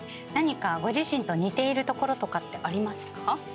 何かご自身と似ているところとかってありますか？